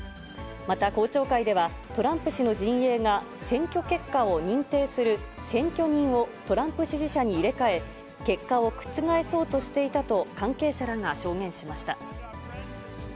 また、公聴会では、トランプ氏の陣営が、選挙結果を認定する選挙人をトランプ支持者に入れ替え、結果を覆そうとしていたと関係者らが証言しました。